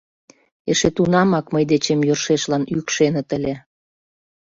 Эше тунамак мый дечем йӧршешлан йӱкшеныт ыле.